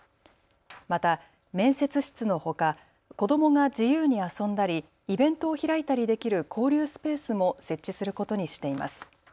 また面接室のほか子どもが自由に遊んだりイベントを開いたりできる交流スペースも設置することにしています。